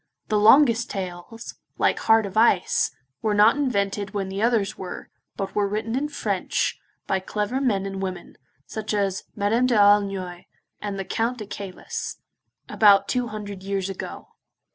The longest tales, like Heart of Ice, were not invented when the others were, but were written in French, by clever men and women, such as Madame d'Aulnoy, and the Count de Caylus, about two hundred years ago.